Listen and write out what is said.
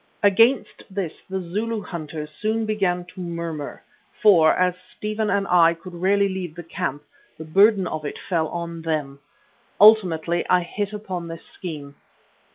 Against this the Zulu hunters soon began to murmur, for, as Stephen and I could rarely leave the camp, the burden of it fell on them. Ultimately I hit upon this scheme.